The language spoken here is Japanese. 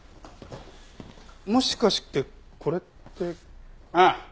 もしかしてこれって。ああ。